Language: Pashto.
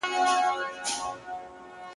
كيسې هېري سوې د زهرو د خوړلو!.